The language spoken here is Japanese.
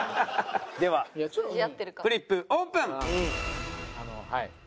ではフリップオープン！